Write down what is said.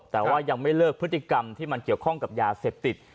แต่ว่ายังไม่เลิกพฤติกรรมที่มันเกี่ยวข้องกับยาเสพติด